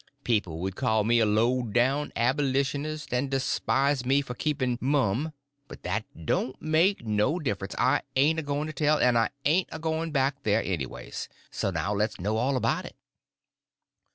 People would call me a low down Abolitionist and despise me for keeping mum—but that don't make no difference. I ain't a going to tell, and I ain't a going back there, anyways. So, now, le's know all about it."